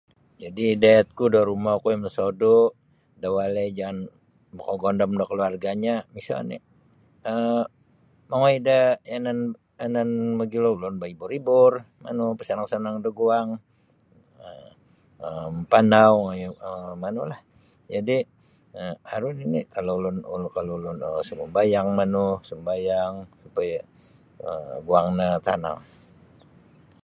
Jadi' idayatku da rumoku yang mosodu' da walai jaan makagondom da kaluarga'nyo miso oni' um mongoi da yanan anan mogilo ulun baibur-ibur manu mapasanang-sanang daguang um mampanau um manulah jadi' aru nini' kalau ulun kalau ulun sinumbayang manu sumbayang supaya guang no tanang.